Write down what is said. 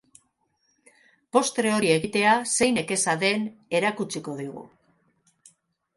Postre hori egitea zein nekeza den erakutsiko digu.